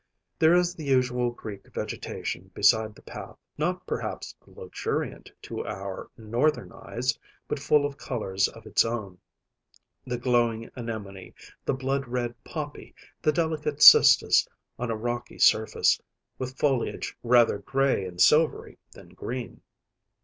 There is the usual Greek vegetation beside the path; not perhaps luxuriant to our Northern eyes, but full of colors of its own‚ÄĒthe glowing anemone, the blood red poppy, the delicate cistus on a rocky surface, with foliage rather gray and silvery than green.